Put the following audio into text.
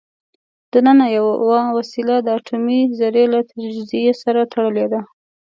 دننه یوه وسیله د اټومي ذرې له تجزیې سره تړلې ده.